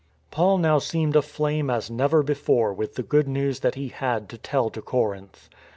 Paul now seemed aflame as never before with the Good News that he had to tell to Corinth.